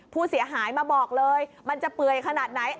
ผู้เสียหายมาบอกเลยมันจะเปื่อยขนาดไหน